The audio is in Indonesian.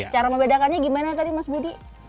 cara membedakannya gimana tadi mas budi